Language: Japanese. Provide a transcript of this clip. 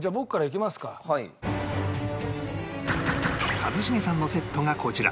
一茂さんのセットがこちら